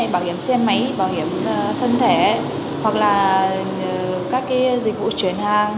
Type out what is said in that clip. bảo hiểm xe máy bảo hiểm thân thể hoặc là các dịch vụ chuyển hàng